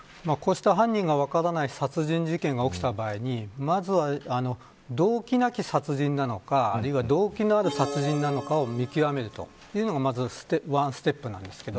犯人が分からない殺人事件が起きた場合にまずは動機なき殺人なのかあるいは、動機のある殺人なのかを見極めるというのがワンステップです。